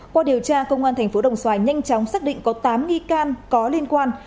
qua điều tra công an tp đồng xoài nhanh chóng xác định có tám nghi can có liên quan